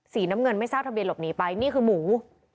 น้ำเงินไม่ทราบทะเบียหลบหนีไปนี่คือหมู